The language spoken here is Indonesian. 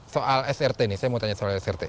soal srt ini saya mau tanya soal srt